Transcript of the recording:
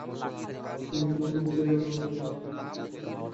মদনপুর প্রাথমিক বিদ্যালয়ে আগুন লাগানো মাত্রই স্থানীয় লোকজন এসে নিভিয়ে ফেলেন।